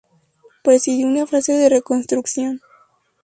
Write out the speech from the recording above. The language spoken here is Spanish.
Presidió una fase de reconstrucción.